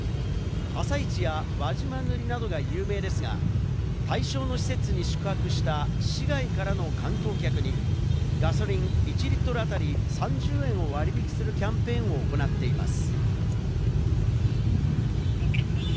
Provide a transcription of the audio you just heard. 朝市や輪島塗などが有名ですが、対象の施設に宿泊した市外からの観光客にガソリン１リットルあたり３０円を割引するキャンペーンを行っています。